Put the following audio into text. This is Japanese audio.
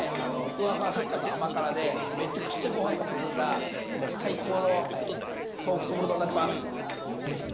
ふわふわ食感と甘辛でめちゃくちゃご飯が進んだもう最高の豆腐そぼろ丼になってます。